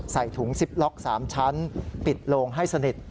ใส่ถุงซิปล็อก๓ชั้นปิดโลงให้สนิท